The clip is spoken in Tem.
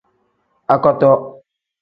Akoto.